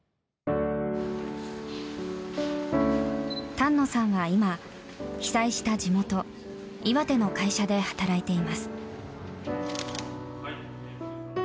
丹野さんは今被災した地元岩手の会社で働いています。